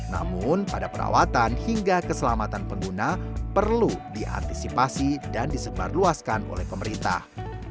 namun pada perawatan hingga keselamatan pengguna perlu diantisipasi dan disebarluaskan oleh pemerintah